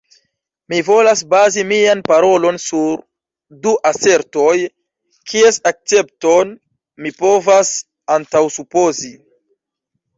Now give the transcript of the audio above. Mi volas bazi mian parolon sur du asertoj, kies akcepton mi povas antaŭsupozi.